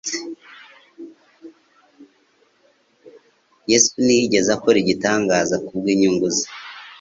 Yesu ntiyigeze akora igitangaza kubw'inyurugu ze.